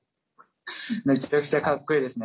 めちゃくちゃかっこいいですね。